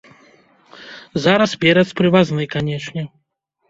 Зараз перац прывазны, канешне.